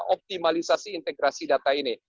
optimalisasi integrasi data ini